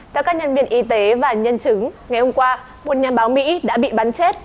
theo các nhân viên y tế và nhân chứng ngày hôm qua một nhà báo mỹ đã bị bắn chết